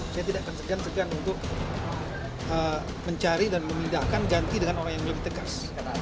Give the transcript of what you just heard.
saya tidak akan segan segan untuk mencari dan memindahkan ganti dengan orang yang lebih tegas